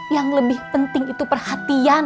yang lebih penting itu perhatian